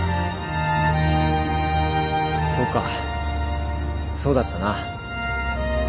そうかそうだったな。